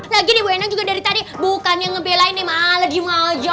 lagi nih ibu endang juga dari tadi bukan yang ngebelain ya malah gimana aja